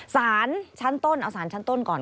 สารชั้นต้นเอาสารชั้นต้นก่อน